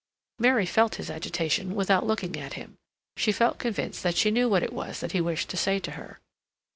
Mary felt his agitation without looking at him; she felt convinced that she knew what it was that he wished to say to her.